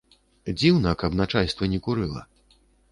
Дзіўна, каб начальства не курыла.